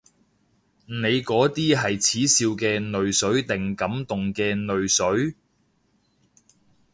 你嗰啲係恥笑嘅淚水定感動嘅淚水？